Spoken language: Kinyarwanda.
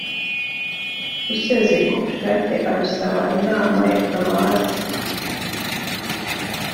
usezeye ku bushake abisaba inama ya paruwasi